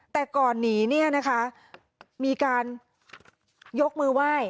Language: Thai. แต่ก่อนหนีเนี่ยนะคะมีการยกมือไหว้